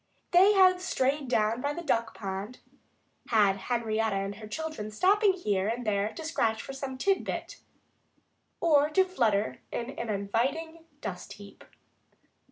They had strayed down by the duck pond had Henrietta and her children, stopping here and there to scratch for some tidbit, or to flutter in an inviting dust heap.